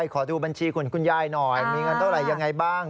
ขอดูบัญชีคุณยายหน่อยมีเงินเท่าไหร่ยังไงบ้าง